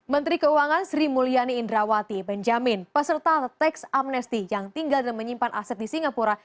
menteri keuangan sri mulyani indrawati benjamin peserta teks amnesti yang tinggal dan menyimpan aset di singapura